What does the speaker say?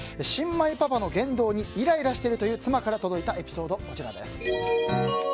新米パパの言動にイライラしているという妻から届いたエピソードです。